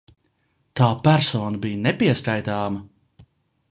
Tā persona bija nepieskaitāma!